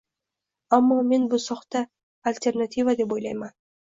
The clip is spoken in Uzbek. Ammo men bu soxta alternativa deb o‘ylayman